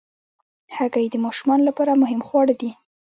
هګۍ د ماشومانو لپاره مهم خواړه دي.